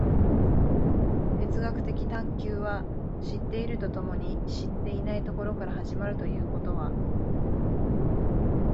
哲学的探求は知っていると共に知っていないところから始まるということは、